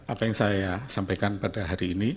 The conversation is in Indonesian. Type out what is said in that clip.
apa yang saya sampaikan pada hari ini